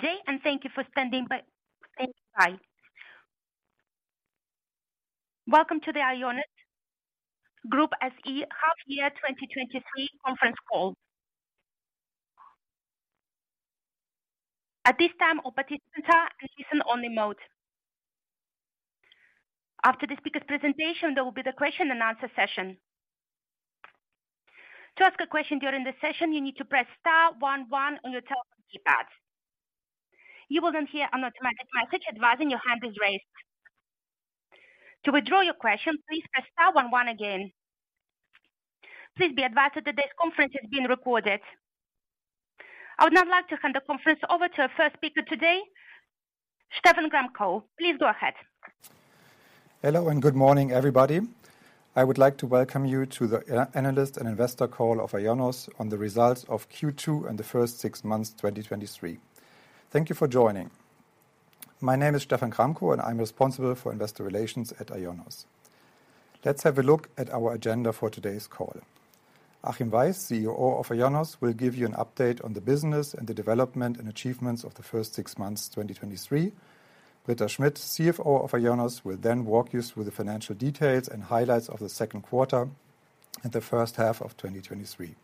today, and thank you for standing by, standing by. Welcome to the IONOS Group SE Half Year 2023 conference call. At this time, all participants are in listen-only mode. After the speaker presentation, there will be the question and answer session. To ask a question during the session, you need to press star one one on your telephone keypad. You will then hear an automatic message advising your hand is raised. To withdraw your question, please press star one one again. Please be advised that today's conference is being recorded. I would now like to hand the conference over to our first speaker today, Stephan Gramkow. Please go ahead. Hello, good morning, everybody. I would like to welcome you to the analyst and investor call of IONOS on the results of Q2 and the first 6 months, 2023. Thank you for joining. My name is Stephan Gramkow, and I'm responsible for Investor Relations at IONOS. Let's have a look at our agenda for today's call. Achim Weiss, CEO of IONOS, will give you an update on the business and the development and achievements of the first 6 months, 2023. Britta Schmidt, CFO of IONOS, will then walk you through the financial details and highlights of the 2nd quarter and the first half of 2023.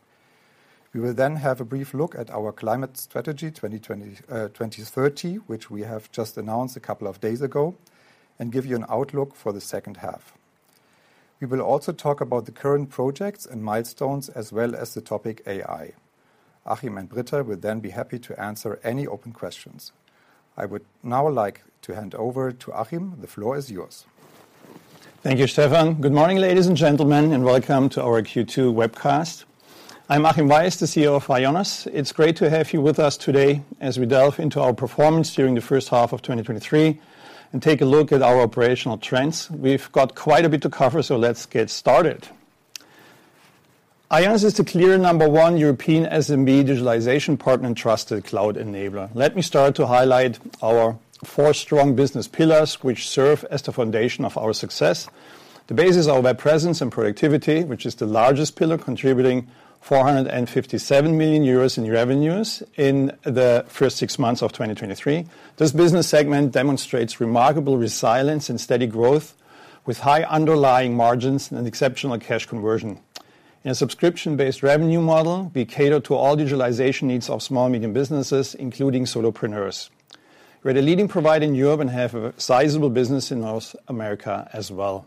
We will have a brief look at our climate strategy, 2020, 2030, which we have just announced a couple of days ago, and give you an outlook for the second half. We will also talk about the current projects and milestones as well as the topic AI. Achim and Britta will then be happy to answer any open questions. I would now like to hand over to Achim. The floor is yours. Thank you, Stephan. Good morning, ladies and gentlemen, welcome to our Q2 webcast. I'm Achim Weiss, the CEO of IONOS. It's great to have you with us today as we delve into our performance during the first half of 2023 and take a look at our operational trends. We've got quite a bit to cover. Let's get started. IONOS is the clear number one European SMB digitalization partner and trusted cloud enabler. Let me start to highlight our four strong business pillars, which serve as the foundation of our success. The base is our Web Presence and Productivity, which is the largest pillar, contributing 457 million euros in revenues in the first six months of 2023. This business segment demonstrates remarkable resilience and steady growth, with high underlying margins and exceptional cash conversion. In a subscription-based revenue model, we cater to all digitalization needs of small, medium businesses, including solopreneurs. We're the leading provider in Europe and have a sizable business in North America as well.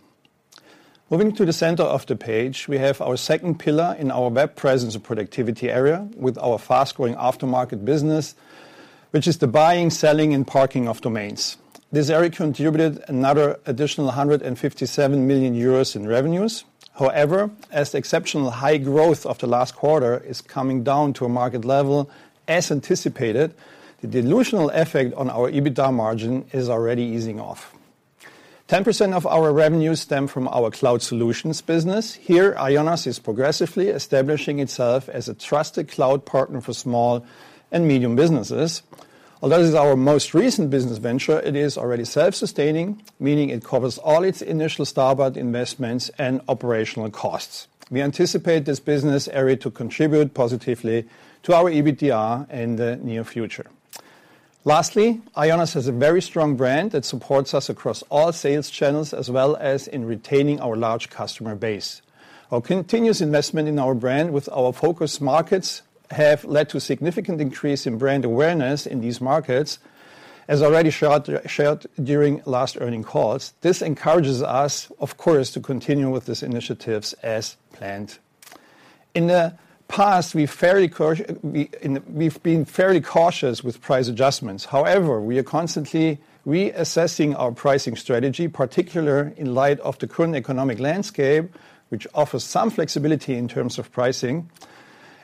Moving to the center of the page, we have our second pillar in our Web Presence and Productivity area with our fast-growing aftermarket business, which is the buying, selling, and parking of domains. This area contributed another additional 157 million euros in revenues. However, as the exceptional high growth of the last quarter is coming down to a market level, as anticipated, the dilutional effect on our EBITDA margin is already easing off. 10% of our revenues stem from our cloud solutions business. Here, IONOS is progressively establishing itself as a trusted cloud partner for small and medium businesses. Although this is our most recent business venture, it is already self-sustaining, meaning it covers all its initial startup investments and operational costs. We anticipate this business area to contribute positively to our EBITDA in the near future. Lastly, IONOS has a very strong brand that supports us across all sales channels, as well as in retaining our large customer base. Our continuous investment in our brand with our focus markets have led to significant increase in brand awareness in these markets. As already shared, shared during last earnings calls, this encourages us, of course, to continue with these initiatives as planned. In the past, we've been fairly cautious with price adjustments. However, we are constantly reassessing our pricing strategy, particularly in light of the current economic landscape, which offers some flexibility in terms of pricing.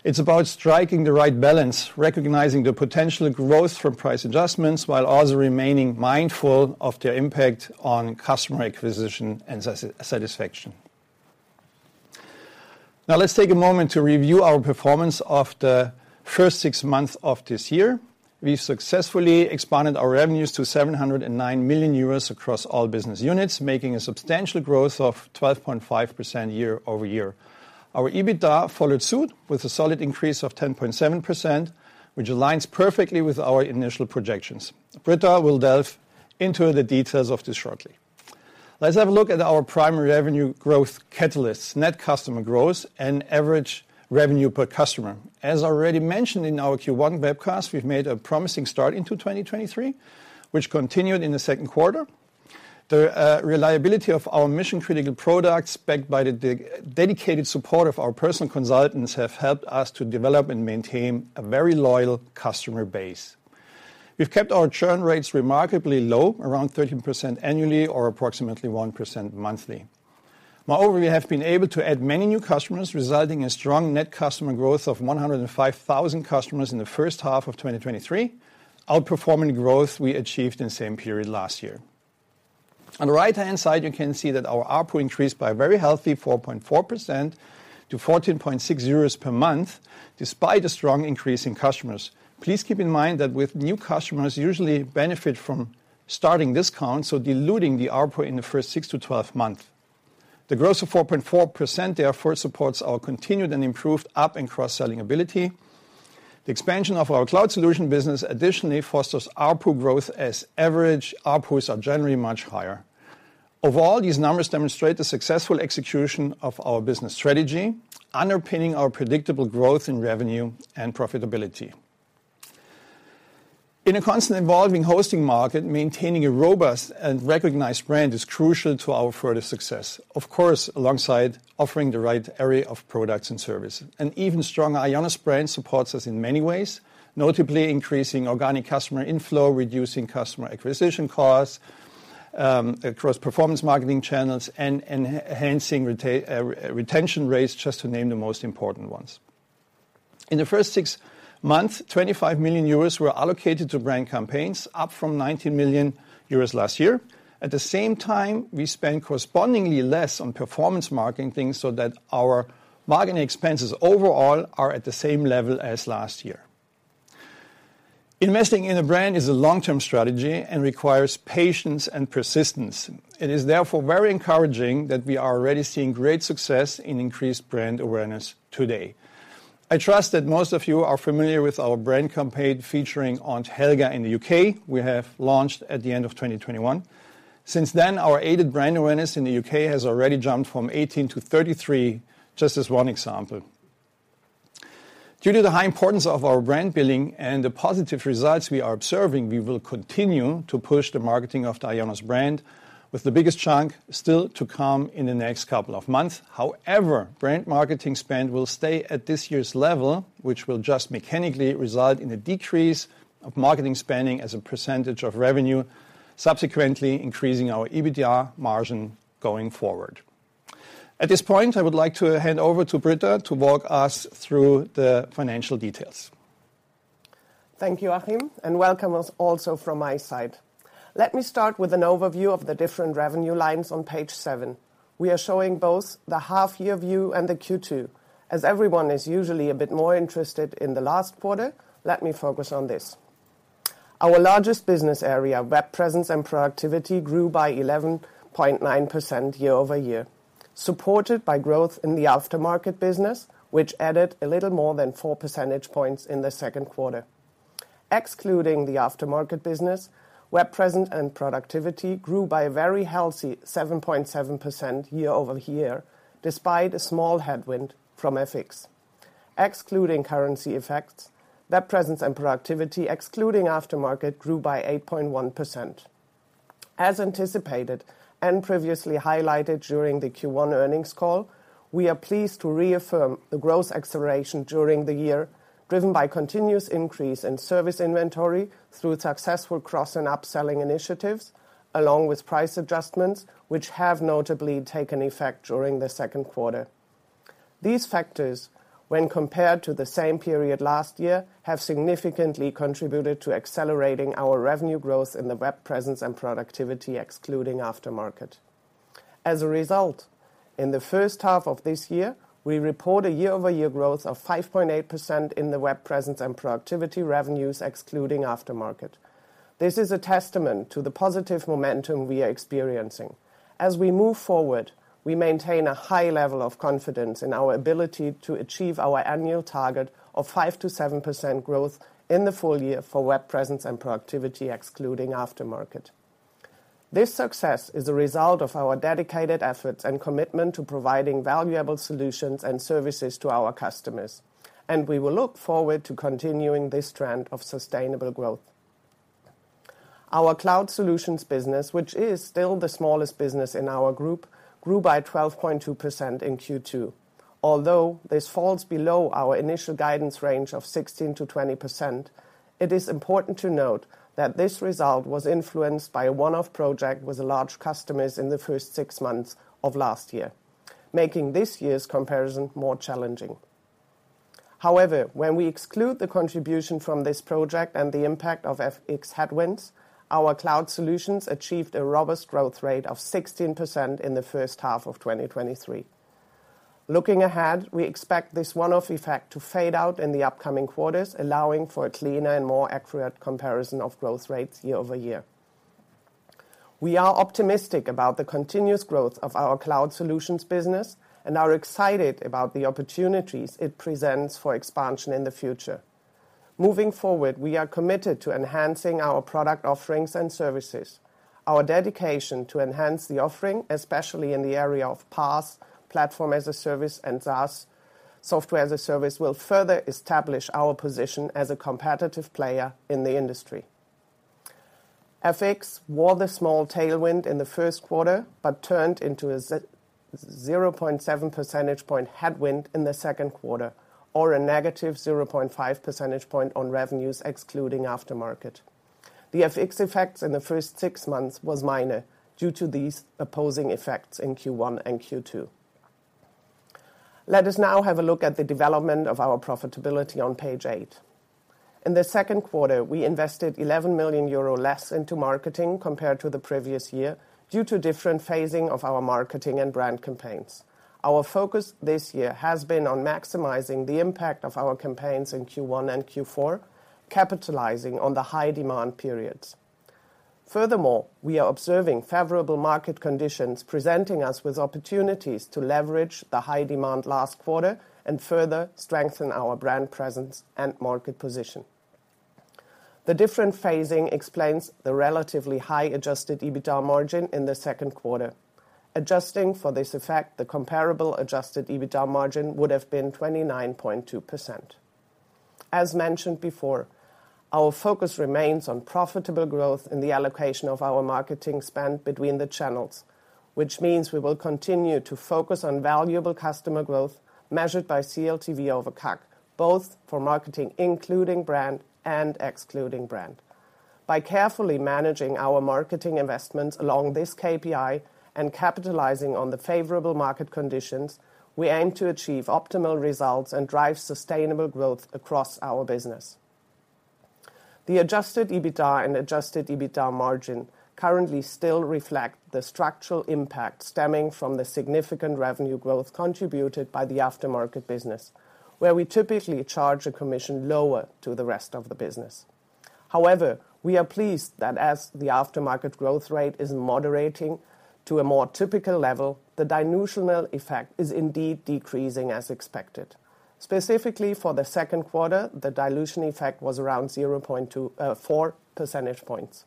It's about striking the right balance, recognizing the potential growth from price adjustments, while also remaining mindful of their impact on customer acquisition and satisfaction. Let's take a moment to review our performance of the first 6 months of this year. We've successfully expanded our revenues to 709 million euros across all business units, making a substantial growth of 12.5% year-over-year. Our EBITDA followed suit with a solid increase of 10.7%, which aligns perfectly with our initial projections. Britta will delve into the details of this shortly. Let's have a look at our primary revenue growth catalysts, net customer growth, and average revenue per customer. As already mentioned in our Q1 webcast, we've made a promising start into 2023, which continued in the second quarter. The reliability of our mission-critical products, backed by the dedicated support of our personal consultants, have helped us to develop and maintain a very loyal customer base. We've kept our churn rates remarkably low, around 13% annually, or approximately 1% monthly. Moreover, we have been able to add many new customers, resulting in strong net customer growth of 105,000 customers in the first half of 2023, outperforming growth we achieved in the same period last year. On the right-hand side, you can see that our ARPU increased by a very healthy 4.4% to 14.6 euros per month, despite a strong increase in customers. Please keep in mind that with new customers usually benefit from starting discounts, so diluting the ARPU in the first 6 to 12 months.... The growth of 4.4% therefore supports our continued and improved up and cross-selling ability. The expansion of our cloud solution business additionally fosters ARPU growth as average ARPUs are generally much higher. These numbers demonstrate the successful execution of our business strategy, underpinning our predictable growth in revenue and profitability. In a constantly evolving hosting market, maintaining a robust and recognized brand is crucial to our further success. Alongside offering the right area of products and services. An even stronger IONOS brand supports us in many ways, notably increasing organic customer inflow, reducing customer acquisition costs across performance marketing channels, and enhancing retention rates, just to name the most important ones. In the first six months, 25 million euros were allocated to brand campaigns, up from 19 million euros last year. At the same time, we spent correspondingly less on performance marketing things so that our marketing expenses overall are at the same level as last year. Investing in a brand is a long-term strategy and requires patience and persistence. It is therefore very encouraging that we are already seeing great success in increased brand awareness today. I trust that most of you are familiar with our brand campaign featuring Aunt Helga in the U.K. we have launched at the end of 2021. Since then, our aided brand awareness in the U.K. has already jumped from 18 to 33, just as one example. Due to the high importance of our brand building and the positive results we are observing, we will continue to push the marketing of the IONOS brand, with the biggest chunk still to come in the next couple of months. However, brand marketing spend will stay at this year's level, which will just mechanically result in a decrease of marketing spending as a % of revenue, subsequently increasing our EBITDA margin going forward. At this point, I would like to hand over to Britta to walk us through the financial details. Thank you, Achim. Welcome also from my side. Let me start with an overview of the different revenue lines on page 7. We are showing both the half year view and the Q2. As everyone is usually a bit more interested in the last quarter, let me focus on this. Our largest business area, Web Presence and Productivity, grew by 11.9% year-over-year, supported by growth in the aftermarket business, which added a little more than 4 percentage points in the second quarter. Excluding the aftermarket business, Web Presence and Productivity grew by a very healthy 7.7% year-over-year, despite a small headwind from FX. Excluding currency effects, Web Presence and Productivity, excluding aftermarket, grew by 8.1%. As anticipated and previously highlighted during the Q1 earnings call, we are pleased to reaffirm the growth acceleration during the year, driven by continuous increase in service inventory through successful cross and upselling initiatives, along with price adjustments, which have notably taken effect during the second quarter. These factors, when compared to the same period last year, have significantly contributed to accelerating our revenue growth in the Web Presence and Productivity, excluding aftermarket. In the first half of this year, we report a year-over-year growth of 5.8% in the Web Presence and Productivity revenues, excluding aftermarket. This is a testament to the positive momentum we are experiencing. We maintain a high level of confidence in our ability to achieve our annual target of 5%-7% growth in the full year for Web Presence and Productivity, excluding aftermarket. This success is a result of our dedicated efforts and commitment to providing valuable solutions and services to our customers. We will look forward to continuing this trend of sustainable growth. Our Cloud Solutions business, which is still the smallest business in our group, grew by 12.2% in Q2. Although this falls below our initial guidance range of 16%-20%, it is important to note that this result was influenced by a one-off project with large customers in the first 6 months of last year, making this year's comparison more challenging. However, when we exclude the contribution from this project and the impact of FX headwinds, our Cloud Solutions achieved a robust growth rate of 16% in the first half of 2023. Looking ahead, we expect this one-off effect to fade out in the upcoming quarters, allowing for a cleaner and more accurate comparison of growth rates year-over-year. We are optimistic about the continuous growth of our cloud solutions business and are excited about the opportunities it presents for expansion in the future. Moving forward, we are committed to enhancing our product offerings and services. Our dedication to enhance the offering, especially in the area of PaaS, Platform as a Service, and SaaS, Software as a Service, will further establish our position as a competitive player in the industry. FX was a small tailwind in the first quarter, but turned into a 0.7 percentage point headwind in the second quarter, or a negative 0.5 percentage point on revenues, excluding aftermarket. The FX effects in the first six months was minor due to these opposing effects in Q1 and Q2. Let us now have a look at the development of our profitability on page 8. In the second quarter, we invested 11 million euro less into marketing compared to the previous year, due to different phasing of our marketing and brand campaigns. Our focus this year has been on maximizing the impact of our campaigns in Q1 and Q4, capitalizing on the high demand periods. We are observing favorable market conditions, presenting us with opportunities to leverage the high demand last quarter and further strengthen our brand presence and market position. The different phasing explains the relatively high adjusted EBITDA margin in the second quarter. Adjusting for this effect, the comparable adjusted EBITDA margin would have been 29.2%. As mentioned before, our focus remains on profitable growth in the allocation of our marketing spend between the channels, which means we will continue to focus on valuable customer growth, measured by CLTV over CAC, both for marketing, including brand and excluding brand. By carefully managing our marketing investments along this KPI and capitalizing on the favorable market conditions, we aim to achieve optimal results and drive sustainable growth across our business. The adjusted EBITDA and adjusted EBITDA margin currently still reflect the structural impact stemming from the significant revenue growth contributed by the aftermarket business, where we typically charge a commission lower to the rest of the business. However, we are pleased that as the aftermarket growth rate is moderating to a more typical level, the dilutional effect is indeed decreasing as expected. Specifically, for the second quarter, the dilution effect was around 0.24 percentage points.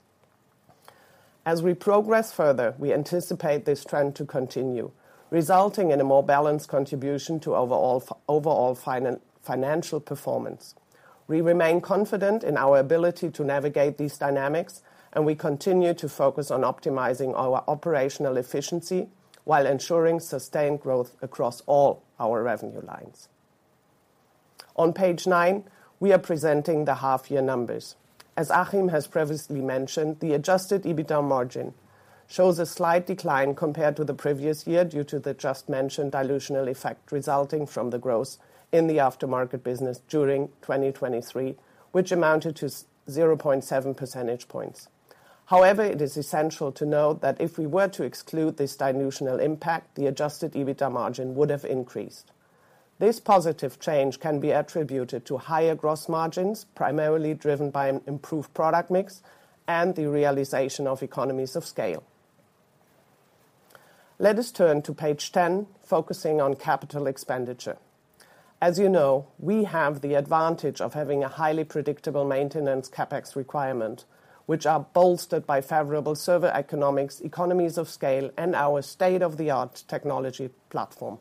As we progress further, we anticipate this trend to continue, resulting in a more balanced contribution to overall financial performance. We remain confident in our ability to navigate these dynamics, we continue to focus on optimizing our operational efficiency while ensuring sustained growth across all our revenue lines. On Page 9, we are presenting the half-year numbers. As Achim has previously mentioned, the adjusted EBITDA margin shows a slight decline compared to the previous year due to the just mentioned dilutional effect resulting from the growth in the aftermarket business during 2023, which amounted to 0.7 percentage points. However, it is essential to note that if we were to exclude this dilutional impact, the adjusted EBITDA margin would have increased. This positive change can be attributed to higher gross margins, primarily driven by an improved product mix and the realization of economies of scale. Let us turn to page 10, focusing on capital expenditure. As you know, we have the advantage of having a highly predictable maintenance CapEx requirement, which are bolstered by favorable server economics, economies of scale, and our state-of-the-art technology platform.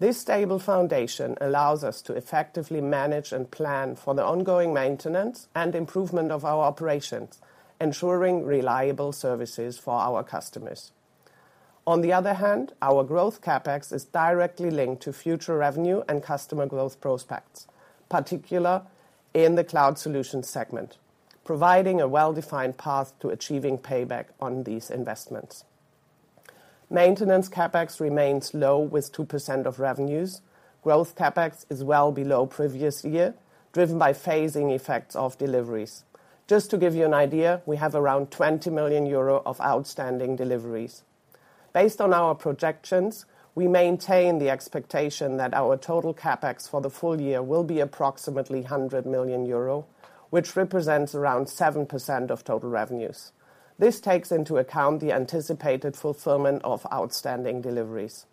This stable foundation allows us to effectively manage and plan for the ongoing maintenance and improvement of our operations, ensuring reliable services for our customers. On the other hand, our growth CapEx is directly linked to future revenue and customer growth prospects, particularly in the cloud solutions segment, providing a well-defined path to achieving payback on these investments. Maintenance CapEx remains low, with 2% of revenues. Growth CapEx is well below previous year, driven by phasing effects of deliveries. Just to give you an idea, we have around 20 million euro of outstanding deliveries. Based on our projections, we maintain the expectation that our total CapEx for the full year will be approximately 100 million euro, which represents around 7% of total revenues. This takes into account the anticipated fulfillment of outstanding deliveries.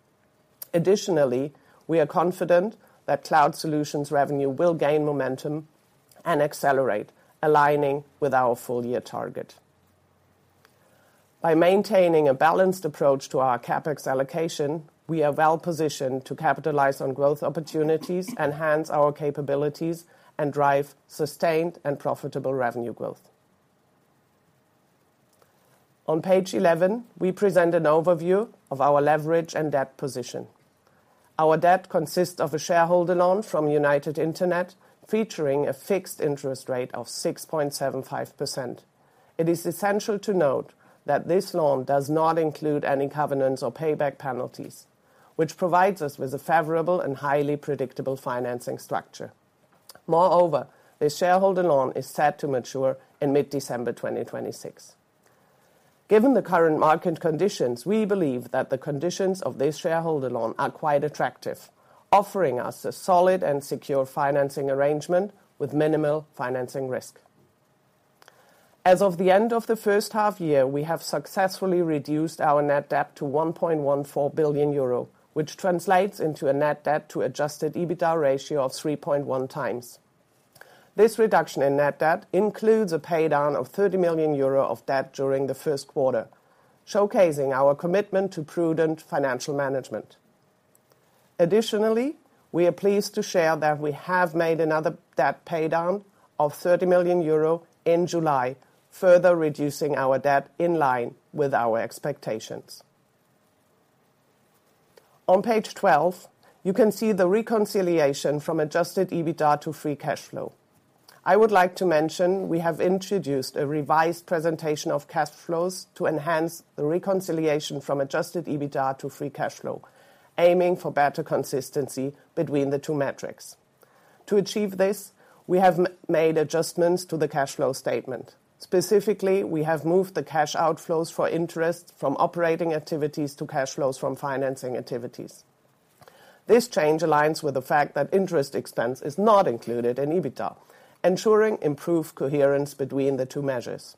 Additionally, we are confident that cloud solutions revenue will gain momentum and accelerate, aligning with our full year target. By maintaining a balanced approach to our CapEx allocation, we are well positioned to capitalize on growth opportunities, enhance our capabilities, and drive sustained and profitable revenue growth. On page 11, we present an overview of our leverage and debt position. Our debt consists of a shareholder loan from United Internet, featuring a fixed interest rate of 6.75%. It is essential to note that this loan does not include any covenants or payback penalties, which provides us with a favorable and highly predictable financing structure. This shareholder loan is set to mature in mid-December 2026. Given the current market conditions, we believe that the conditions of this shareholder loan are quite attractive, offering us a solid and secure financing arrangement with minimal financing risk. As of the end of the first half year, we have successfully reduced our net debt to 1.14 billion euro, which translates into a net debt to adjusted EBITDA ratio of 3.1 times. This reduction in net debt includes a paydown of 30 million euro of debt during the first quarter, showcasing our commitment to prudent financial management. Additionally, we are pleased to share that we have made another debt paydown of 30 million euro in July, further reducing our debt in line with our expectations. On Page 12, you can see the reconciliation from adjusted EBITDA to free cash flow. I would like to mention, we have introduced a revised presentation of cash flows to enhance the reconciliation from adjusted EBITDA to free cash flow, aiming for better consistency between the two metrics. To achieve this, we have made adjustments to the cash flow statement. Specifically, we have moved the cash outflows for interest from operating activities to cash flows from financing activities. This change aligns with the fact that interest expense is not included in EBITDA, ensuring improved coherence between the two measures.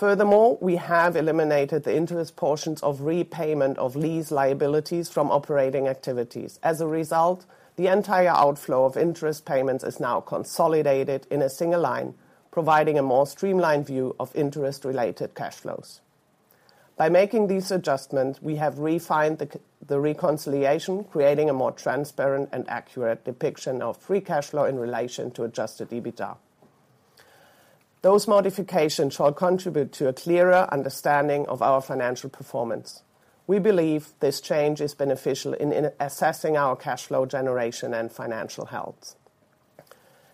We have eliminated the interest portions of repayment of lease liabilities from operating activities. As a result, the entire outflow of interest payments is now consolidated in a single line, providing a more streamlined view of interest-related cash flows. By making these adjustments, we have refined the reconciliation, creating a more transparent and accurate depiction of free cash flow in relation to adjusted EBITDA. Those modifications shall contribute to a clearer understanding of our financial performance. We believe this change is beneficial in, in assessing our cash flow generation and financial health.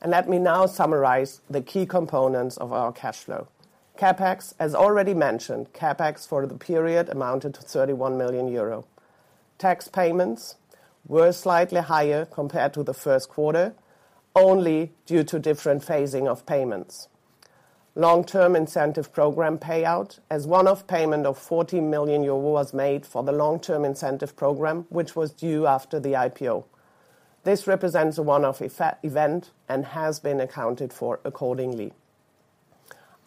Let me now summarize the key components of our cash flow. CapEx, as already mentioned, CapEx for the period amounted to 31 million euro. Tax payments were slightly higher compared to the first quarter, only due to different phasing of payments. Long-term incentive program payout, as one-off payment of 40 million euro was made for the long-term incentive program, which was due after the IPO. This represents a one-off event, and has been accounted for accordingly.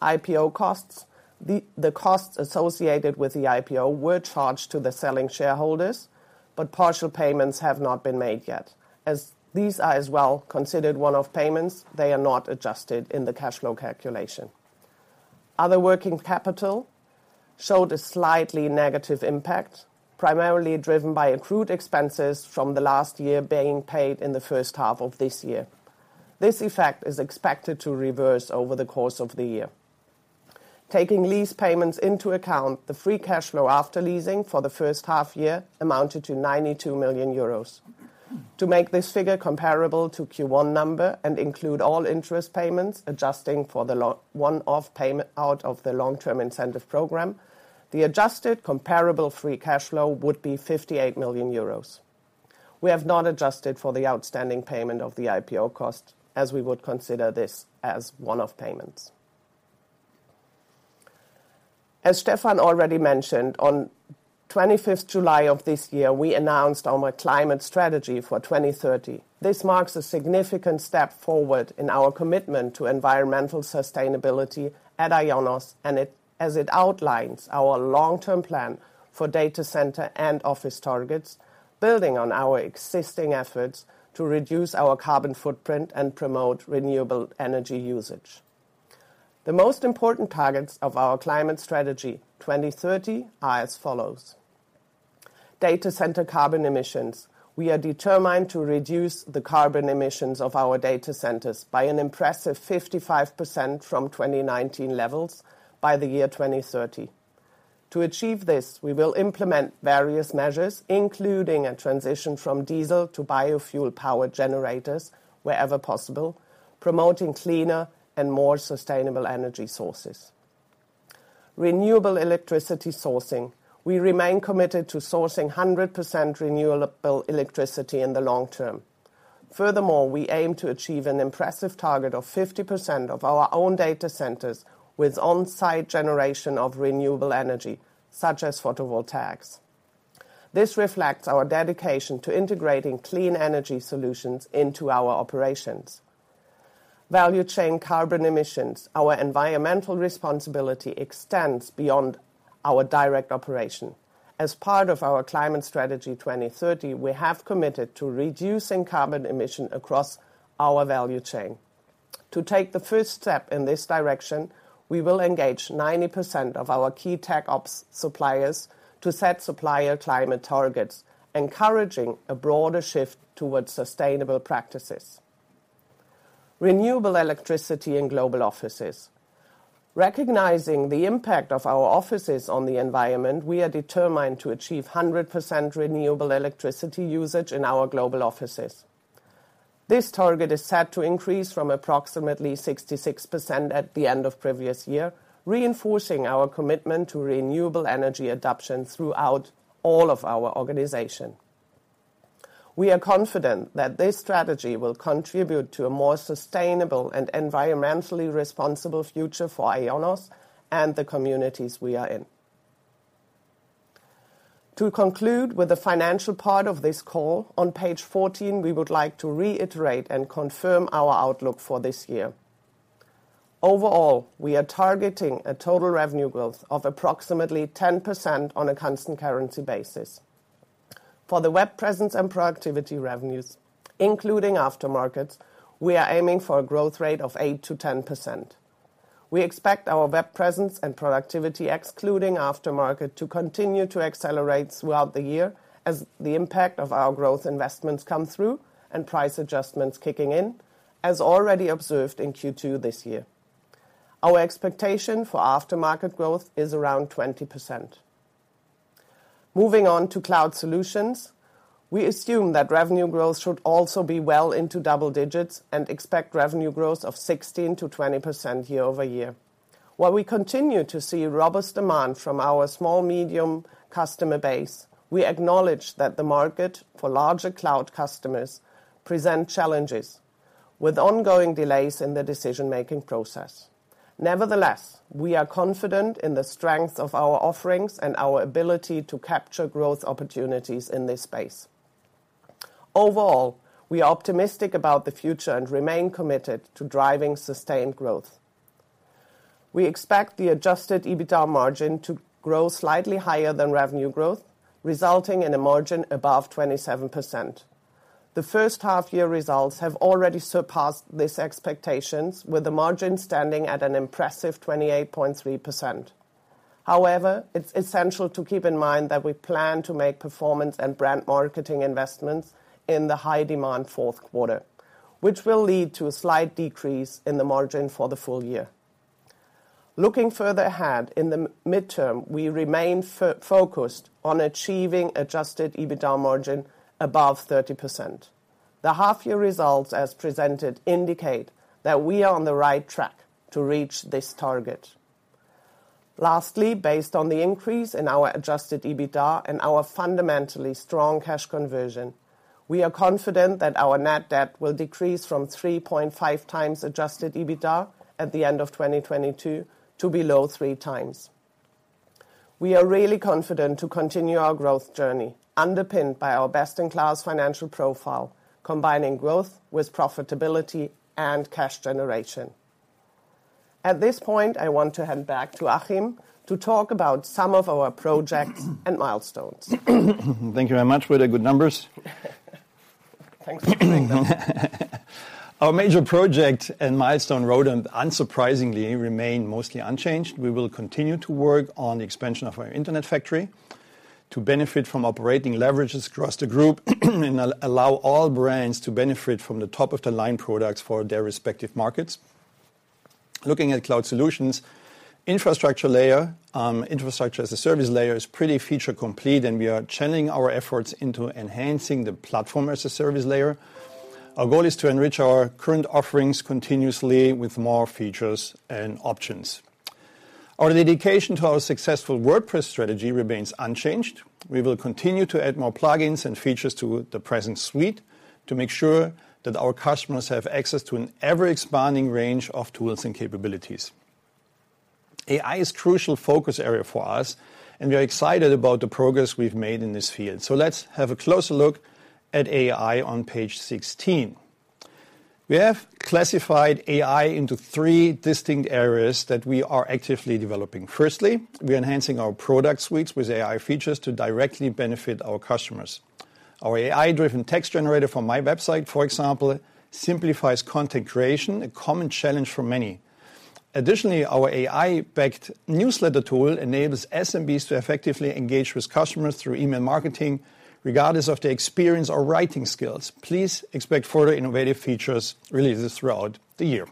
IPO costs. The costs associated with the IPO were charged to the selling shareholders, but partial payments have not been made yet. As these are as well considered one-off payments, they are not adjusted in the cash flow calculation. Other working capital showed a slightly negative impact, primarily driven by accrued expenses from the last year being paid in the first half of this year. This effect is expected to reverse over the course of the year. Taking lease payments into account, the free cash flow after leasing for the first half year amounted to 92 million euros. To make this figure comparable to Q1 number and include all interest payments, adjusting for the one-off payment out of the long-term incentive program, the adjusted comparable free cash flow would be 58 million euros. We have not adjusted for the outstanding payment of the IPO cost, as we would consider this as one-off payments. Stefan already mentioned, on 25th July of this year, we announced our climate strategy for 2030. This marks a significant step forward in our commitment to environmental sustainability at IONOS, as it outlines our long-term plan for data center and office targets, building on our existing efforts to reduce our carbon footprint and promote renewable energy usage. The most important targets of our climate strategy 2030 are as follows: Data center carbon emissions. We are determined to reduce the carbon emissions of our data centers by an impressive 55% from 2019 levels by the year 2030. To achieve this, we will implement various measures, including a transition from diesel to biofuel power generators wherever possible, promoting cleaner and more sustainable energy sources. Renewable electricity sourcing. We remain committed to sourcing 100% renewable electricity in the long term. Furthermore, we aim to achieve an impressive target of 50% of our own data centers with on-site generation of renewable energy, such as photovoltaics. This reflects our dedication to integrating clean energy solutions into our operations. Value chain carbon emissions. Our environmental responsibility extends beyond our direct operation. As part of our climate strategy 2030, we have committed to reducing carbon emission across our value chain. To take the first step in this direction, we will engage 90% of our key tech ops suppliers to set supplier climate targets, encouraging a broader shift towards sustainable practices. Renewable electricity in global offices. Recognizing the impact of our offices on the environment, we are determined to achieve 100% renewable electricity usage in our global offices. This target is set to increase from approximately 66% at the end of previous year, reinforcing our commitment to renewable energy adoption throughout all of our organization. We are confident that this strategy will contribute to a more sustainable and environmentally responsible future for IONOS and the communities we are in. To conclude with the financial part of this call, on page 14, we would like to reiterate and confirm our outlook for this year. Overall, we are targeting a total revenue growth of approximately 10% on a constant currency basis. For the Web Presence and Productivity revenues, including aftermarkets, we are aiming for a growth rate of 8%-10%. We expect our Web Presence and Productivity, excluding aftermarket, to continue to accelerate throughout the year as the impact of our growth investments come through and price adjustments kicking in, as already observed in Q2 this year. Our expectation for aftermarket growth is around 20%. Moving on to cloud solutions, we assume that revenue growth should also be well into double digits and expect revenue growth of 16%-20% year-over-year. While we continue to see robust demand from our small, medium customer base, we acknowledge that the market for larger cloud customers present challenges, with ongoing delays in the decision-making process. Nevertheless, we are confident in the strength of our offerings and our ability to capture growth opportunities in this space. Overall, we are optimistic about the future and remain committed to driving sustained growth. We expect the adjusted EBITDA margin to grow slightly higher than revenue growth, resulting in a margin above 27%. The first half year results have already surpassed these expectations, with the margin standing at an impressive 28.3%. It's essential to keep in mind that we plan to make performance and brand marketing investments in the high-demand fourth quarter, which will lead to a slight decrease in the margin for the full year. Looking further ahead, in the midterm, we remain focused on achieving adjusted EBITDA margin above 30%. The half year results, as presented, indicate that we are on the right track to reach this target. Lastly, based on the increase in our adjusted EBITDA and our fundamentally strong cash conversion, we are confident that our net debt will decrease from 3.5 times adjusted EBITDA at the end of 2022, to below 3 times. We are really confident to continue our growth journey, underpinned by our best-in-class financial profile, combining growth with profitability and cash generation. At this point, I want to hand back to Achim to talk about some of our projects and milestones. Thank you very much for the good numbers. Thanks. Our major project and milestone road map, unsurprisingly, remain mostly unchanged. We will continue to work on the expansion of our Internet Factory to benefit from operating leverages across the group and allow all brands to benefit from the top-of-the-line products for their respective markets. Looking at cloud solutions, infrastructure layer, infrastructure as a service layer is pretty feature complete, and we are channeling our efforts into enhancing the Platform as a Service layer. Our goal is to enrich our current offerings continuously with more features and options. Our dedication to our successful WordPress strategy remains unchanged. We will continue to add more plugins and features to the present suite to make sure that our customers have access to an ever-expanding range of tools and capabilities. AI is crucial focus area for us, and we are excited about the progress we've made in this field. Let's have a closer look at AI on page 16. We have classified AI into three distinct areas that we are actively developing. Firstly, we are enhancing our product suites with AI features to directly benefit our customers. Our AI-driven text generator from MyWebsite, for example, simplifies content creation, a common challenge for many. Additionally, our AI-backed newsletter tool enables SMBs to effectively engage with customers through email marketing, regardless of their experience or writing skills. Please expect further innovative features releases throughout the year.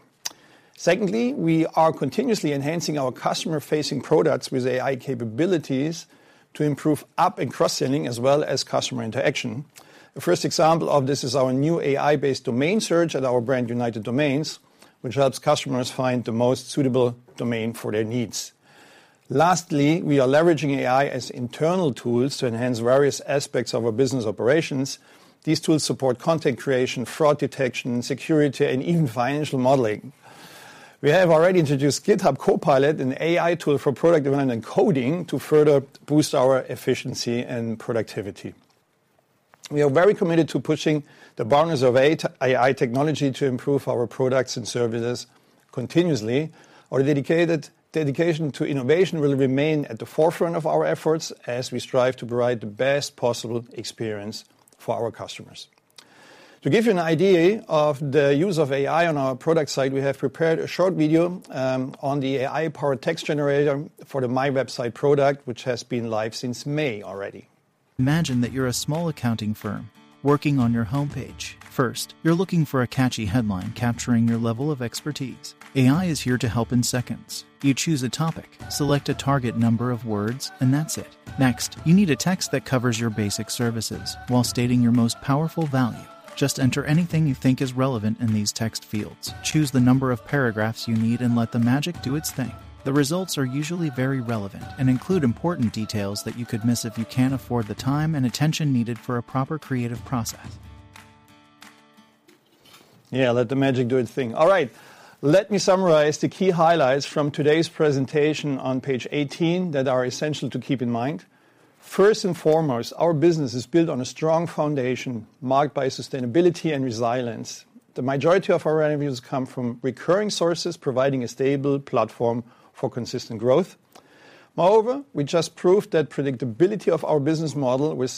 Secondly, we are continuously enhancing our customer-facing products with AI capabilities to improve up and cross-selling, as well as customer interaction. The first example of this is our new AI-based domain search at our brand, United Domains, which helps customers find the most suitable domain for their needs. Lastly, we are leveraging AI as internal tools to enhance various aspects of our business operations. These tools support content creation, fraud detection, security, and even financial modeling. We have already introduced GitHub Copilot, an AI tool for product development and coding, to further boost our efficiency and productivity. We are very committed to pushing the boundaries of AI technology to improve our products and services continuously. Our dedication to innovation will remain at the forefront of our efforts as we strive to provide the best possible experience for our customers. To give you an idea of the use of AI on our product side, we have prepared a short video on the AI-powered text generator for the MyWebsite product, which has been live since May already. Imagine that you're a small accounting firm working on your homepage. First, you're looking for a catchy headline capturing your level of expertise. AI is here to help in seconds. You choose a topic, select a target number of words, and that's it. Next, you need a text that covers your basic services while stating your most powerful value. Just enter anything you think is relevant in these text fields, choose the number of paragraphs you need, and let the magic do its thing. The results are usually very relevant and include important details that you could miss if you can't afford the time and attention needed for a proper creative process. Yeah, let the magic do its thing. All right. Let me summarize the key highlights from today's presentation on page 18 that are essential to keep in mind. First and foremost, our business is built on a strong foundation, marked by sustainability and resilience. The majority of our revenues come from recurring sources, providing a stable platform for consistent growth. Moreover, we just proved that predictability of our business model with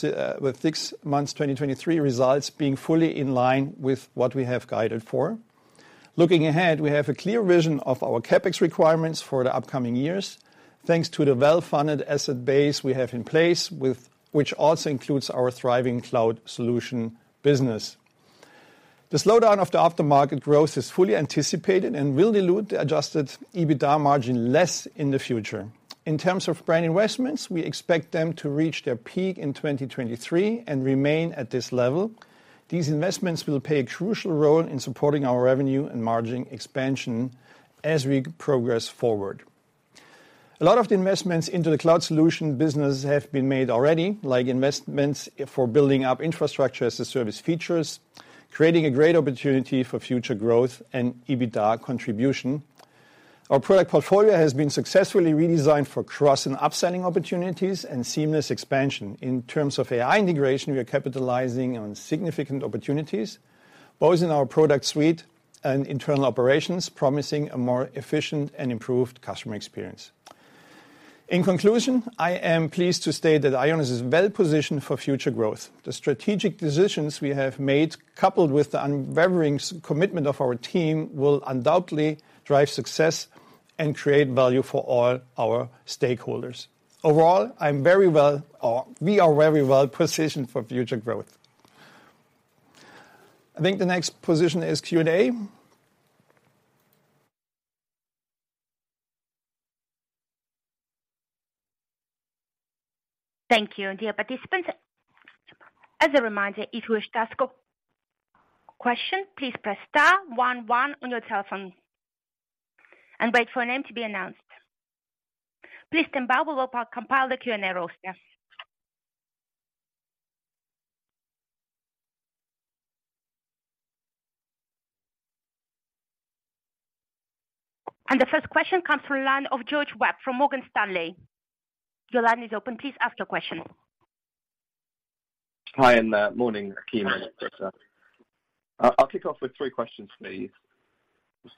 6 months 2023 results being fully in line with what we have guided for. Looking ahead, we have a clear vision of our CapEx requirements for the upcoming years, thanks to the well-funded asset base we have in place, which also includes our thriving cloud solution business. The slowdown of the aftermarket growth is fully anticipated and will dilute the adjusted EBITDA margin less in the future. In terms of brand investments, we expect them to reach their peak in 2023 and remain at this level. These investments will play a crucial role in supporting our revenue and margin expansion as we progress forward.... A lot of the investments into the cloud solution business have been made already, like investments for building up infrastructure as a service features, creating a great opportunity for future growth and EBITDA contribution. Our product portfolio has been successfully redesigned for cross and upselling opportunities and seamless expansion. In terms of AI integration, we are capitalizing on significant opportunities, both in our product suite and internal operations, promising a more efficient and improved customer experience. In conclusion, I am pleased to state that IONOS is well positioned for future growth. The strategic decisions we have made, coupled with the unwavering commitment of our team, will undoubtedly drive success and create value for all our stakeholders. Overall, we are very well positioned for future growth. I think the next position is Q&A. Thank you, dear participants. As a reminder, if you wish to ask a question, please press star one one on your telephone and wait for your name to be announced. Please stand by while we compile the Q&A roster. The first question comes from the line of George Webb from Morgan Stanley. Your line is open. Please ask your question. Hi, and morning, team. I'll kick off with three questions, please.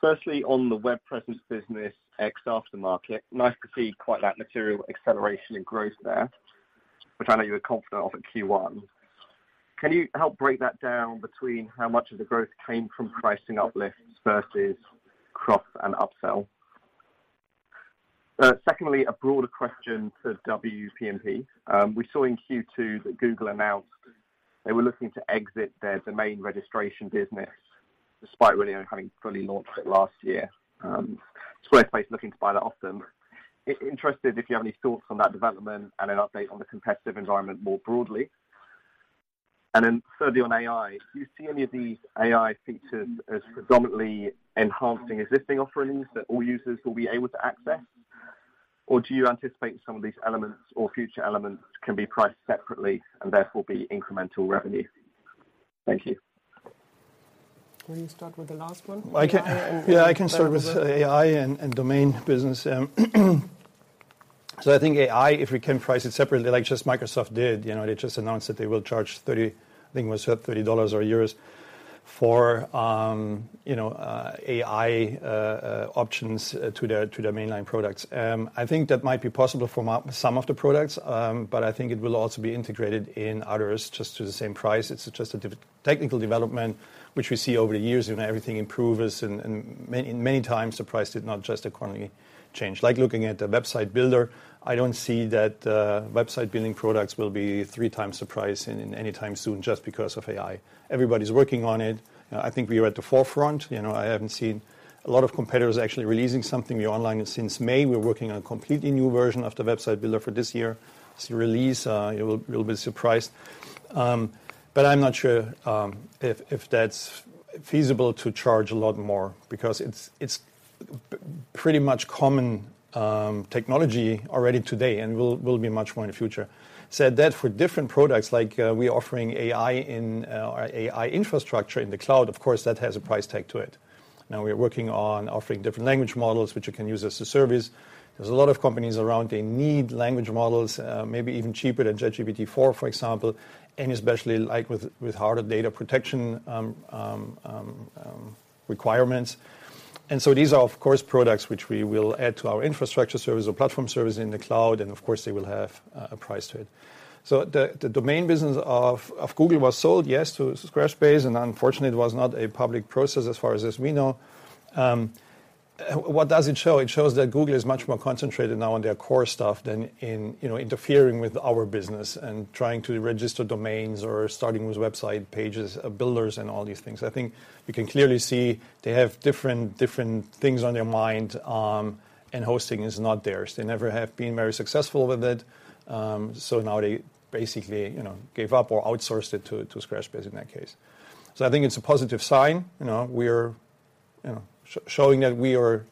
Firstly, on the web presence business, ex aftermarket, nice to see quite that material acceleration and growth there, which I know you were confident of in Q1. Can you help break that down between how much of the growth came from pricing uplifts versus cross and upsell? Secondly, a broader question for WPMP. We saw in Q2 that Google announced they were looking to exit their domain registration business, despite really only having fully launched it last year. Squarespace is looking to buy that off them. Interested if you have any thoughts on that development and an update on the competitive environment more broadly? Then thirdly, on AI, do you see any of these AI features as predominantly enhancing existing offerings that all users will be able to access? Do you anticipate some of these elements or future elements can be priced separately and therefore be incremental revenue? Thank you. Will you start with the last one? I can start with AI and domain business. I think AI, if we can price it separately, like just Microsoft did, they just announced that they will charge 30 dollars or euros for AI options to their mainline products. I think that might be possible for some of the products, but I think it will also be integrated in others just to the same price. It's just a technical development, which we see over the years, you know, everything improves and many times the price did not just accordingly change. Like looking at a website builder, I don't see that website building products will be 3 times the price in any time soon, just because of AI. Everybody's working on it. I think we are at the forefront. You know, I haven't seen a lot of competitors actually releasing something new online since May. We're working on a completely new version of the website builder for this year. It's a release. You'll be surprised. I'm not sure if that's feasible to charge a lot more because it's pretty much common technology already today, and will be much more in the future. Said that, for different products, like, we're offering AI in our AI infrastructure in the cloud, of course, that has a price tag to it. Now, we are working on offering different language models, which you can use as a service. There's a lot of companies around. They need language models, maybe even cheaper than ChatGPT-4, for example, and especially like with, with harder data protection requirements. So these are, of course, products which we will add to our infrastructure service or platform service in the cloud, and of course, they will have a price to it. The, the domain business of, of Google was sold, yes, to Squarespace, and unfortunately, it was not a public process as far as we know. What does it show? It shows that Google is much more concentrated now on their core stuff than in, you know, interfering with our business and trying to register domains or starting with website pages, builders and all these things. I think you can clearly see they have different, different things on their mind, and hosting is not theirs. They never have been very successful with it. Now they basically, you know, gave up or outsourced it to, to Squarespace in that case. I think it's a positive sign. You know, we are, you know, showing that we are,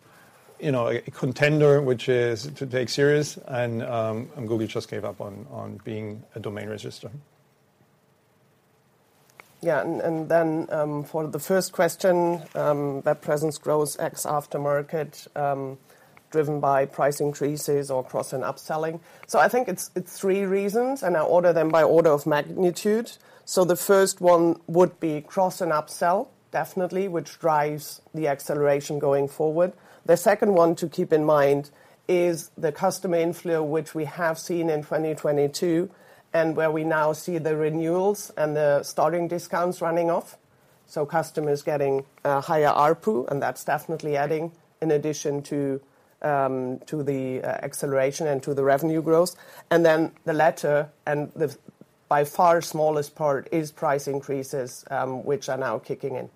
you know, a contender, which is to take serious, and Google just gave up on, on being a domain registrar. Yeah, and then, for the first question, Web Presence growth ex aftermarket, driven by price increases or cross and upselling. I think it's 3 reasons, and I order them by order of magnitude. The first one would be cross and upsell, definitely, which drives the acceleration going forward. The second one to keep in mind is the customer inflow, which we have seen in 2022, and where we now see the renewals and the starting discounts running off. Customers getting higher ARPU, and that's definitely adding in addition to the acceleration and to the revenue growth. Then the latter, and the by far smallest part, is price increases, which are now kicking in.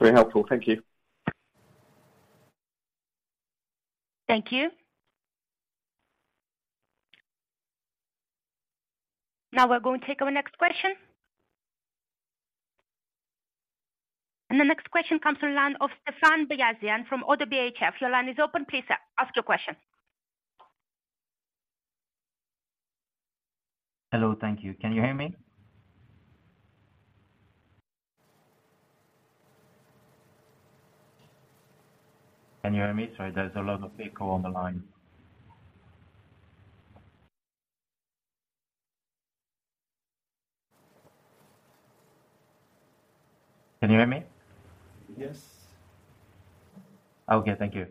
Very helpful. Thank you. Thank you.... Now we're going to take our next question. The next question comes from the line of Stéphane Beyazian from ODDO BHF. Your line is open. Please ask your question. Hello, thank you. Can you hear me? Can you hear me? Sorry, there's a lot of echo on the line. Can you hear me? Yes. Okay, thank you.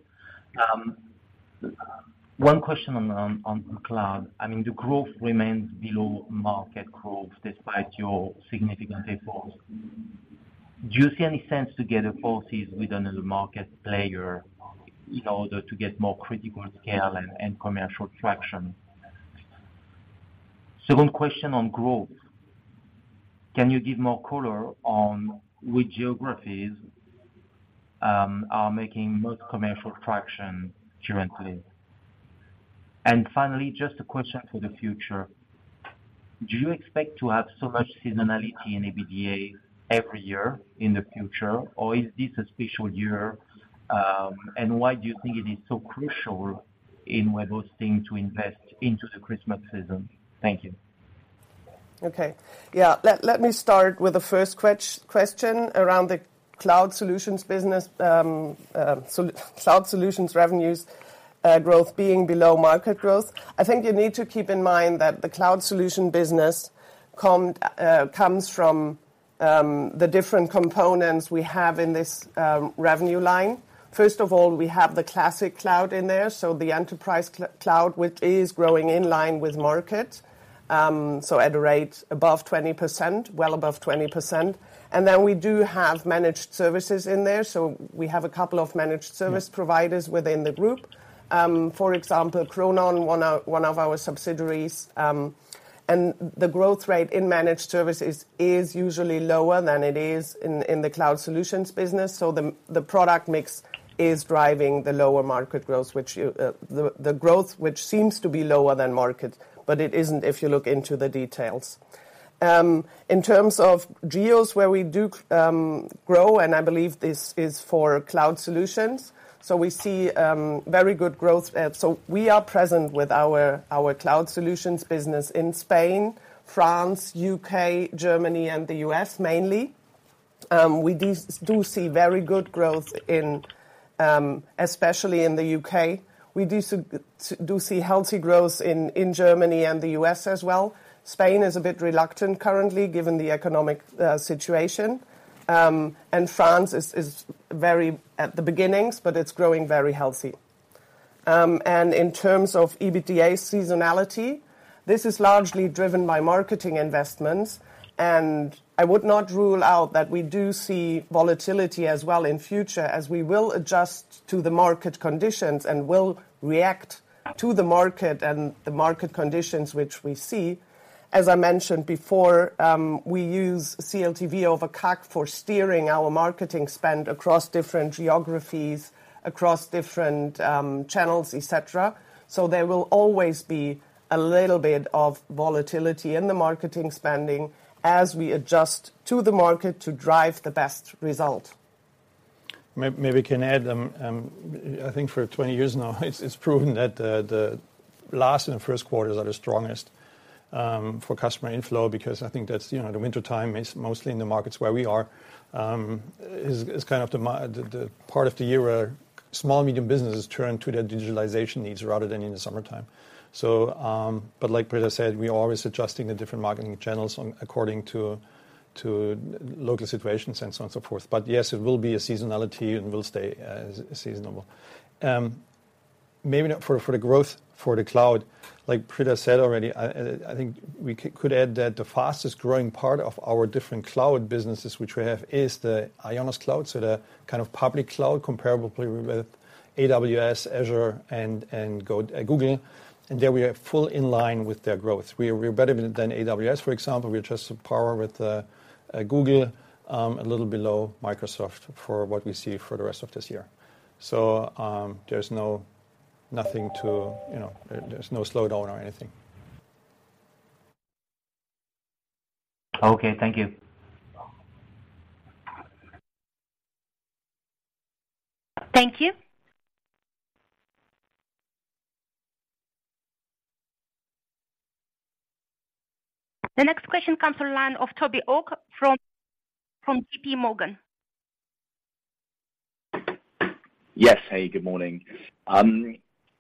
One question on, on, on cloud. I mean, the growth remains below market growth despite your significant efforts. Do you see any sense to get a policies with another market player in order to get more critical scale and, and commercial traction? Second question on growth: Can you give more color on which geographies are making most commercial traction currently? Finally, just a question for the future: Do you expect to have so much seasonality in EBITDA every year in the future, or is this a special year? Why do you think it is so crucial in web hosting to invest into the Christmas season? Thank you. Okay. Yeah. Let, let me start with the first question around the cloud solutions business. Cloud solutions revenues, growth being below market growth. I think you need to keep in mind that the cloud solution business comes from the different components we have in this revenue line. First of all, we have the classic cloud in there, so the enterprise cloud, which is growing in line with market, so at a rate above 20%, well above 20%. Then we do have managed services in there, so we have a couple of managed service providers within the group. For example, Cronon, one of, one of our subsidiaries. The growth rate in managed services is usually lower than it is in, in the cloud solutions business, so the product mix is driving the lower market growth, which the growth, which seems to be lower than market, but it isn't if you look into the details. In terms of geos, where we do grow, and I believe this is for cloud solutions, so we see very good growth. We are present with our, our cloud solutions business in Spain, France, U.K., Germany, and the U.S., mainly. We do see very good growth in, especially in the U.K. We do see healthy growth in, in Germany and the U.S. as well. Spain is a bit reluctant currently, given the economic situation. France is, is very at the beginnings, but it's growing very healthy. In terms of EBITDA seasonality, this is largely driven by marketing investments, and I would not rule out that we do see volatility as well in future, as we will adjust to the market conditions and will react to the market and the market conditions which we see. As I mentioned before, we use CLTV over CAC for steering our marketing spend across different geographies, across different, channels, et cetera. So there will always be a little bit of volatility in the marketing spending as we adjust to the market to drive the best result. Maybe I can add, I think for 20 years now, it's, it's proven that the last and first quarters are the strongest for customer inflow, because I think that's, you know, the wintertime is mostly in the markets where we are. Is, is kind of the the part of the year where small medium businesses turn to their digitalization needs rather than in the summertime. But like Britta said, we're always adjusting the different marketing channels on according to, to local situations, and so on, so forth. Yes, it will be a seasonality and will stay seasonal. Maybe not for, for the growth for the cloud, like Britta said already, I think we could add that the fastest growing part of our different cloud businesses, which we have, is the IONOS Cloud, so the kind of public cloud, comparably with AWS, Azure, and Google. There, we are full in line with their growth. We're better than AWS, for example. We're just at par with Google, a little below Microsoft for what we see for the rest of this year. There's no, nothing to, you know, there's no slowdown or anything. Okay. Thank you. Thank you. The next question comes to line of Toby York from JPMorgan. Yes. Hey, good morning.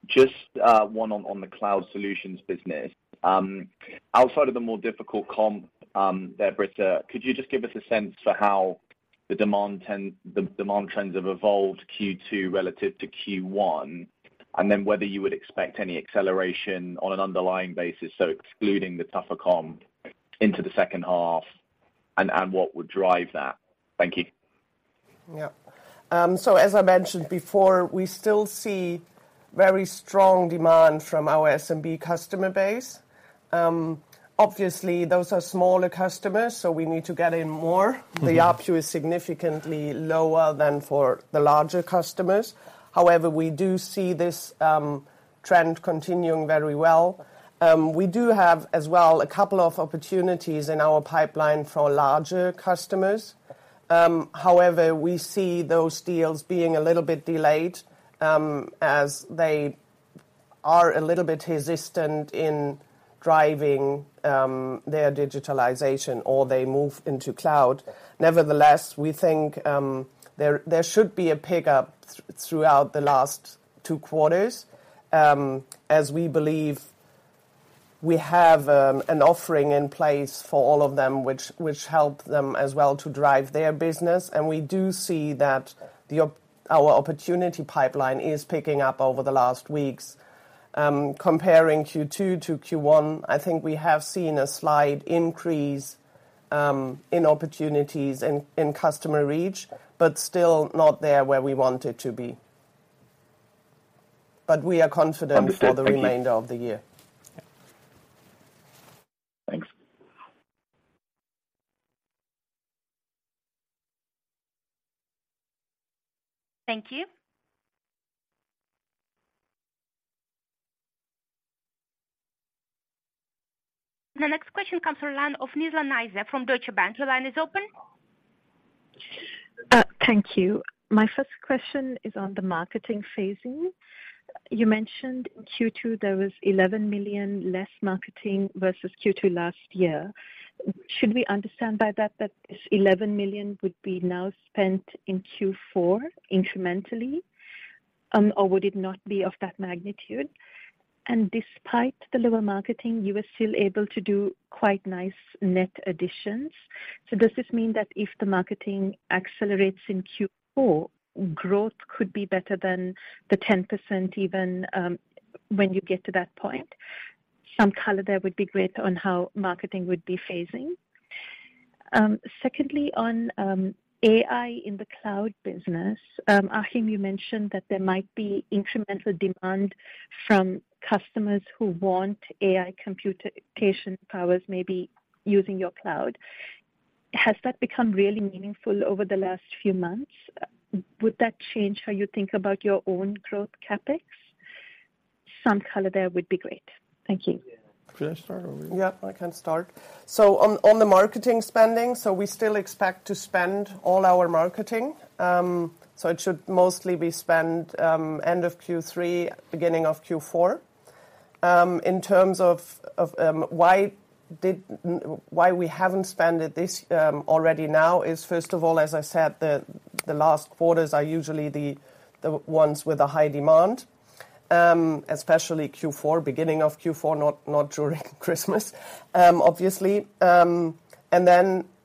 Just one on, on the cloud solutions business. Outside of the more difficult comp, there, Britta, could you just give us a sense for how the demand trends have evolved Q2 relative to Q1? Whether you would expect any acceleration on an underlying basis, so excluding the tougher comp, into the second half, and what would drive that? Thank you. Yeah. As I mentioned before, we still see very strong demand from our SMB customer base. Obviously, those are smaller customers, so we need to get in more. The ARPU is significantly lower than for the larger customers. However, we do see this trend continuing very well. We do have as well, a couple of opportunities in our pipeline for larger customers. However, we see those deals being a little bit delayed, as they are a little bit resistant in driving, their digitalization or they move into cloud. Nevertheless, we think, there, there should be a pickup throughout the last two quarters. As we believe we have, an offering in place for all of them, which, which help them as well to drive their business. We do see that our opportunity pipeline is picking up over the last weeks. Comparing Q2 to Q1, I think we have seen a slight increase in opportunities in, in customer reach, but still not there where we want it to be. We are confident for the remainder of the year. Thanks. Thank you. The next question comes from the line of Nizla Naizer from Deutsche Bank. Your line is open. Thank you. My first question is on the marketing phasing. You mentioned in Q2 there was 11 million less marketing versus Q2 last year. Should we understand by that, that this 11 million would be now spent in Q4 incrementally, or would it not be of that magnitude? Despite the lower marketing, you were still able to do quite nice net additions. Does this mean that if the marketing accelerates in Q4, growth could be better than the 10%, even, when you get to that point? Some color there would be great on how marketing would be phasing. Secondly, on AI in the cloud business, Achim, you mentioned that there might be incremental demand from customers who want AI computation powers, maybe using your cloud. Has that become really meaningful over the last few months? Would that change how you think about your own growth CapEx? Some color there would be great. Thank you. Should I start or you? Yeah, I can start. On, on the marketing spending, we still expect to spend all our marketing. It should mostly be spent end of Q3, beginning of Q4. In terms of, of why we haven't spent it this already now is, first of all, as I said, the, the last quarters are usually the, the ones with a high demand, especially Q4, beginning of Q4, not, not during Christmas, obviously.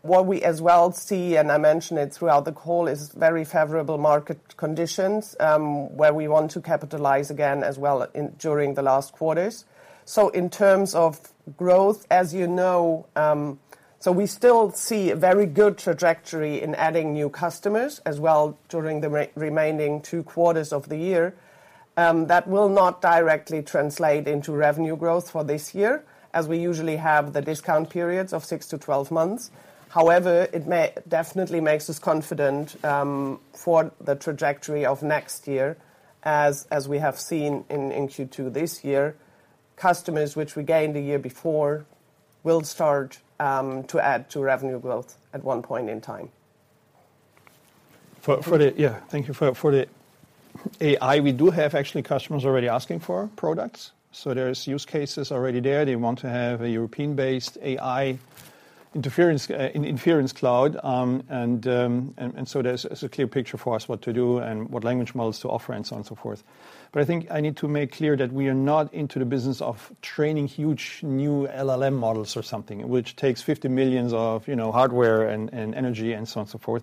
What we as well see, and I mentioned it throughout the call, is very favorable market conditions, where we want to capitalize again as well in, during the last quarters. In terms of growth, as you know, we still see a very good trajectory in adding new customers, as well during the remaining two quarters of the year. That will not directly translate into revenue growth for this year, as we usually have the discount periods of six to 12 months. However, it definitely makes us confident for the trajectory of next year. As we have seen in Q2 this year, customers which we gained a year before, will start to add to revenue growth at one point in time. Yeah, thank you. For, for the AI, we do have actually customers already asking for products, so there's use cases already there. They want to have a European-based AI inference in inference cloud. So there's a clear picture for us what to do and what language models to offer and so on and so forth. I think I need to make clear that we are not into the business of training huge new LLM models or something, which takes 50 millions of, you know, hardware and, and energy and so on and so forth.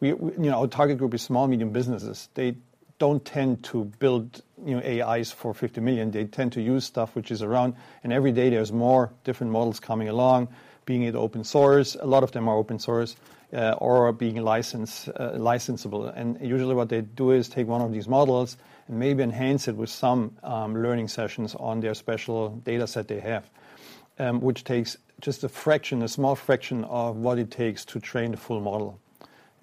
We, you know, our target group is small, medium businesses. They don't tend to build, you know, AIs for 50 million. They tend to use stuff which is around, and every day there's more different models coming along, being either open source, a lot of them are open source, or are being license, licensable. And usually what they do is take one of these models and maybe enhance it with some learning sessions on their special data set they have. Which takes just a fraction, a small fraction of what it takes to train the full model.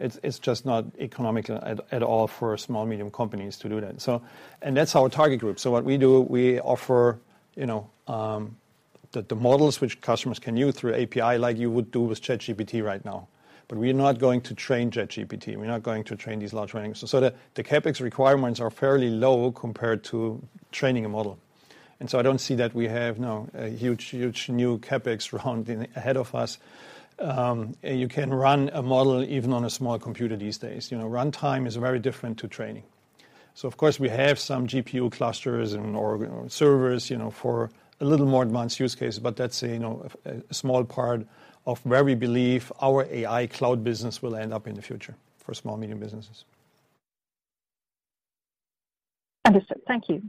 It's, it's just not economical at, at all for small, medium companies to do that. And that's our target group. What we do, we offer, you know, the, the models which customers can use through API, like you would do with ChatGPT right now. We are not going to train ChatGPT, we're not going to train these large language models. The, the CapEx requirements are fairly low compared to training a model. I don't see that we have now a huge, huge new CapEx round in ahead of us. You can run a model even on a small computer these days. You know, runtime is very different to training. Of course, we have some GPU clusters and/or servers, you know, for a little more advanced use cases, but that's a, you know, a, a small part of where we believe our AI cloud business will end up in the future for small, medium businesses. Understood. Thank you.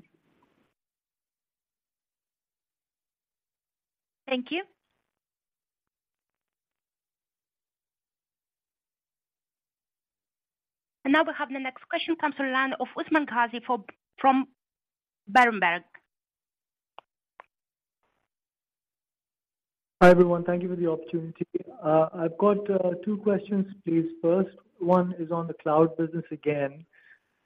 Thank you. Now we have the next question comes from the line of Usman Ghazi, from Berenberg. Hi, everyone. Thank you for the opportunity. I've got two questions, please. First one is on the cloud business again.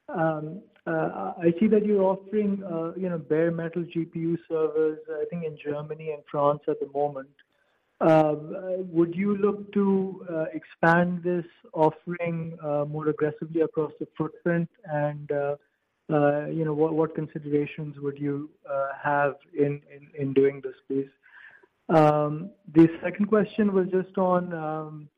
I see that you're offering, you know, bare metal GPU servers, I think, in Germany and France at the moment. Would you look to expand this offering more aggressively across the footprint? You know, what, what considerations would you have in, in, in doing this, please? The second question was just on,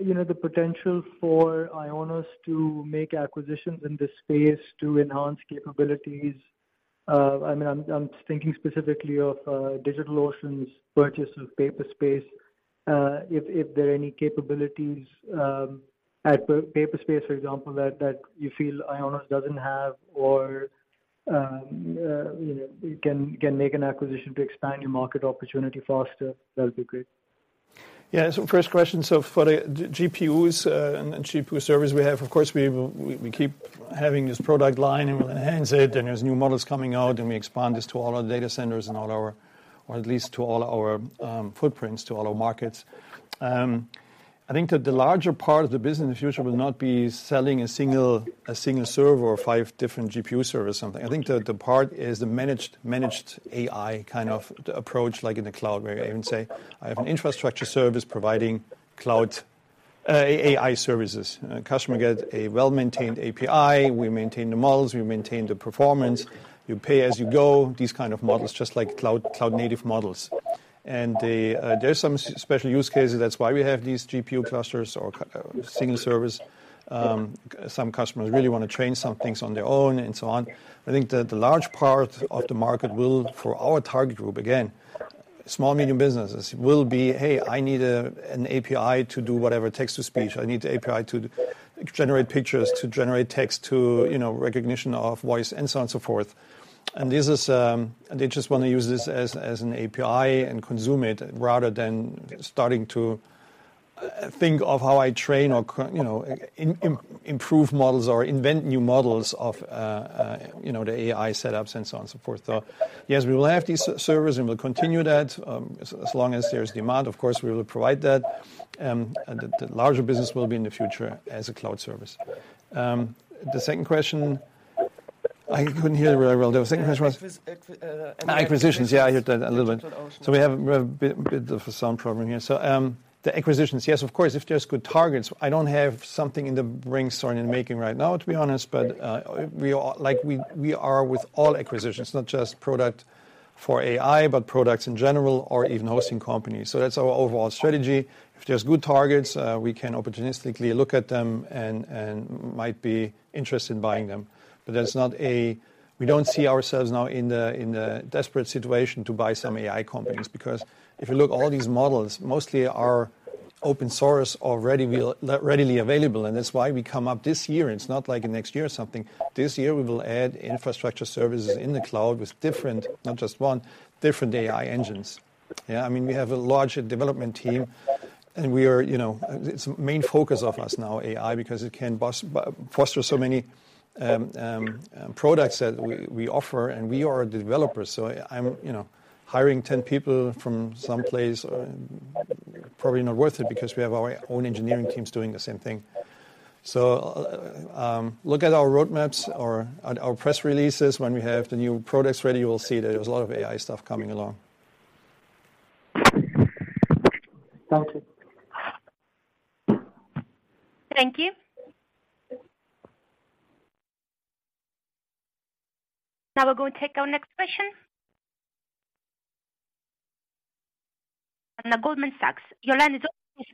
you know, the potential for IONOS to make acquisitions in this space to enhance capabilities. I mean, I'm, I'm thinking specifically of DigitalOcean's purchase of Paperspace. If, if there are any capabilities, at Paperspace, for example, that, that you feel IONOS doesn't have or, you know, can, can make an acquisition to expand your market opportunity faster. That would be great. Yeah. First question. For the GPUs, and GPU servers we have, of course, we, we, we keep having this product line, and we'll enhance it, and there's new models coming out, and we expand this to all our data centers and all our... or at least to all our footprints, to all our markets. I think that the larger part of the business in the future will not be selling a single, a single server or five different GPU servers or something. I think that the part is the managed, managed AI kind of approach, like in the cloud, where I even say, "I have an infrastructure service providing cloud, AI services." Customer get a well-maintained API. We maintain the models. We maintain the performance. You pay as you go, these kind of models, just like cloud, cloud native models. The, there are some special use cases. That's why we have these GPU clusters or single servers. Some customers really want to train some things on their own and so on. I think that the large part of the market will, for our target group, again, small, medium businesses, will be, "Hey, I need an API to do whatever text-to-speech. I need the API to generate pictures, to generate text, to, you know, recognition of voice," and so on and so forth. This is... They just want to use this as an API and consume it, rather than starting to think of how I train or cr- you know, im-im-improve models or invent new models of, you know, the AI setups and so on and so forth. Yes, we will have these servers, and we'll continue that, as, as long as there's demand. Of course, we will provide that, and the, the larger business will be in the future as a cloud service. The second question, I couldn't hear very well. The second question. acquisitions. Acquisitions. Yeah, I heard that a little bit. We have a bit, bit of a sound problem here. The acquisitions, yes, of course, if there's good targets. I don't have something in the brainstorm in making right now, to be honest. We are like, we, we are with all acquisitions, not just product for AI, but products in general or even hosting companies. That's our overall strategy. If there's good targets, we can opportunistically look at them and, and might be interested in buying them. There's not a... We don't see ourselves now in a, in a desperate situation to buy some AI companies, because if you look, all these models mostly are open source, already readily available, and that's why we come up this year. It's not like next year or something. This year, we will add infrastructure services in the cloud with different, not just one, different AI engines. Yeah, I mean, we have a larger development team, and we are, you know, its main focus of us now, AI, because it can foster so many products that we offer, and we are developers. I'm, you know, hiring 10 people from some place, probably not worth it because we have our own engineering teams doing the same thing. Look at our roadmaps or at our press releases. When we have the new products ready, you will see that there's a lot of AI stuff coming along. Thank you. Thank you. Now we're going to take our next question. At Goldman Sachs, your line is open.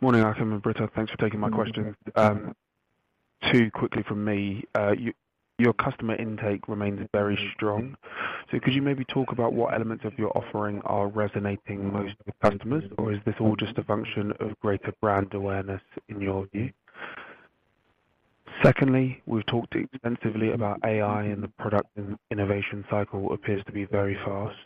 Morning, Achim and Britta. Thanks for taking my question. two quickly from me. Your customer intake remains very strong. Could you maybe talk about what elements of your offering are resonating most with customers, or is this all just a function of greater brand awareness in your view? Secondly, we've talked extensively about AI, and the product and innovation cycle appears to be very fast.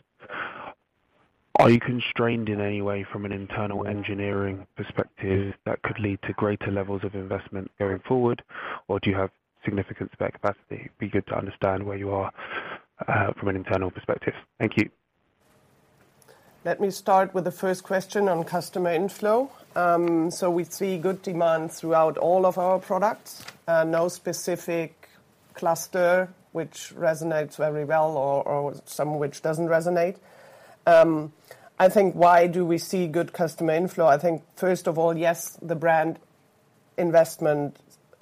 Are you constrained in any way from an internal engineering perspective that could lead to greater levels of investment going forward, or do you have significant spare capacity? It'd be good to understand where you are from an internal perspective. Thank you. Let me start with the first question on customer inflow. We see good demand throughout all of our products. No specific cluster which resonates very well or, or some which doesn't resonate. I think why do we see good customer inflow? I think, first of all, yes, the brand investment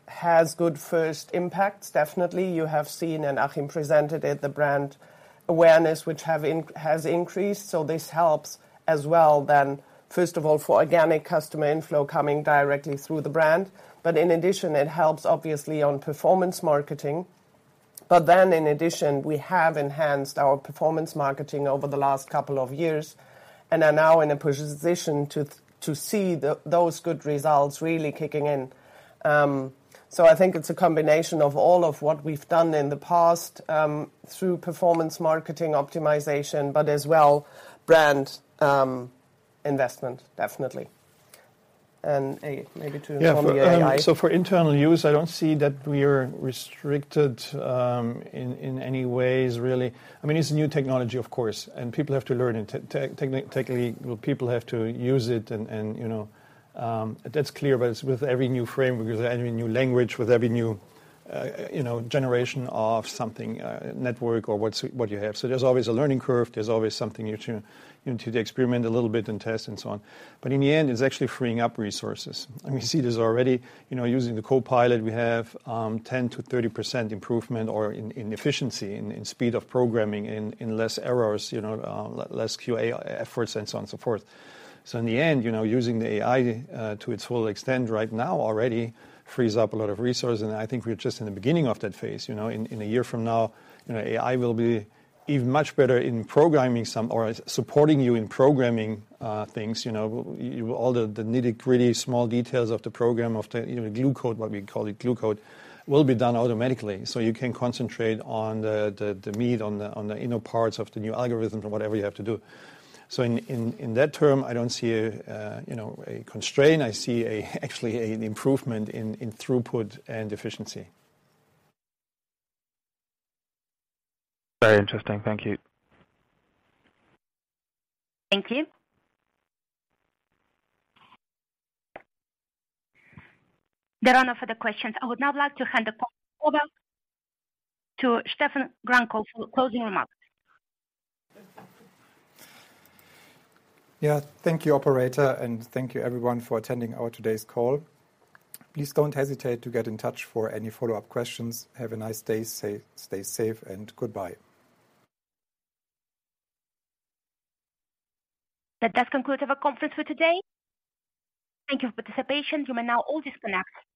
has good first impacts. Definitely, you have seen, and Achim presented it, the brand awareness which have inc- has increased, this helps as well, then, first of all, for organic customer inflow coming directly through the brand. In addition, it helps obviously on performance marketing. Then, in addition, we have enhanced our performance marketing over the last couple of years and are now in a position to, to see those good results really kicking in. I think it's a combination of all of what we've done in the past, through performance marketing optimization, but as well, brand, investment, definitely.... maybe to from the AI. For internal use, I don't see that we are restricted in any ways, really. I mean, it's a new technology, of course, and people have to learn it. Technically, well, people have to use it and, and, you know, that's clear, but it's with every new framework, with every new language, with every new, you know, generation of something, network or what's, what you have. There's always a learning curve. There's always something new to, you know, to experiment a little bit and test and so on. But in the end, it's actually freeing up resources. I mean, we see this already. You know, using the Copilot, we have 10%-30% improvement or in efficiency, in speed of programming, in less errors, you know, less QA efforts and so on and so forth. In the end, you know, using the AI to its full extent right now already frees up a lot of resources, and I think we're just in the beginning of that phase. You know, in 1 year from now, you know, AI will be even much better in programming some or supporting you in programming things, you know. All the, the nitty-gritty, small details of the program, of the, you know, glue code, what we call it, glue code, will be done automatically. You can concentrate on the, the, the meat, on the, on the inner parts of the new algorithm or whatever you have to do. In, in, in that term, I don't see a, you know, a constraint. I see a, actually, an improvement in, in throughput and efficiency. Very interesting. Thank you. Thank you. There are no further questions. I would now like to hand the call over to Stephan Gramkow for closing remarks. Yeah. Thank you, operator, and thank you everyone for attending our today's call. Please don't hesitate to get in touch for any follow-up questions. Have a nice day. Stay safe and goodbye. That does conclude our conference for today. Thank you for participation. You may now all disconnect.